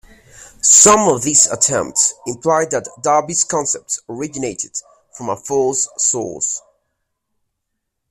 Some of these attempts imply that Darby's concepts originated from a "false" source.